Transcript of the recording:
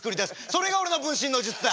それが俺の分身の術だ。